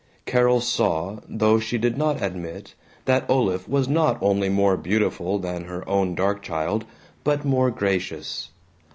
Carol saw, though she did not admit, that Olaf was not only more beautiful than her own dark child, but more gracious.